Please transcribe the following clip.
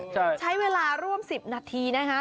ใช่ใช้เวลาร่วม๑๐นาทีนะคะ